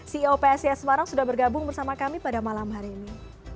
ceo psis semarang sudah bergabung bersama kami pada malam hari ini